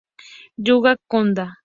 Yuya Fukuda